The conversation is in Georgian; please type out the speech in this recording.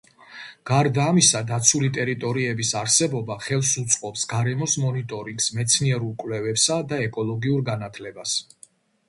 გარდა ამისა, დაცული ტერიტორიების არსებობა ხელს უწყობს გარემოს მონიტორინგს, მეცნიერულ კვლევებსა და ეკოლოგიურ განათლებას.